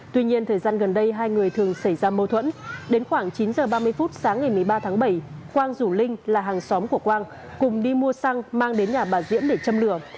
tuy nhiên thời gian gần đây hai người thường xảy ra mâu thuẫn đến khoảng chín h ba mươi phút sáng ngày một mươi ba tháng bảy quang rủ linh là hàng xóm của quang cùng đi mua xăng mang đến nhà bà diễm để châm lửa